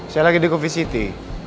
saya lagi di covisity